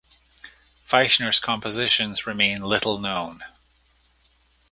Feischner’s compositions remain little known.